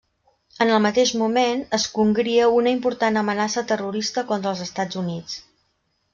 En el mateix moment, es congria una important amenaça terrorista contra els Estats Units.